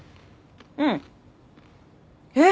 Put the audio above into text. うん。えっ？